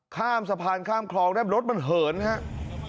ข้ามสะพานข้ามคลองได้รถมันเหินครับ